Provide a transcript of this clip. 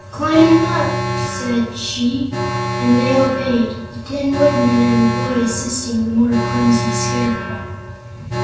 "Climb up," said she, and they obeyed, the Tin Man and the boy assisting the more clumsy Scarecrow.